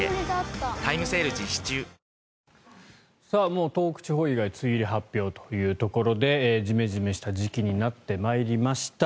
もう東北地方以外梅雨入り発表ということでジメジメした時期になってまいりました。